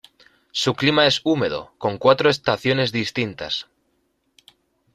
Su clima es húmedo, con cuatro estaciones distintas.